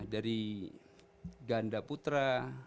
dari ganda putra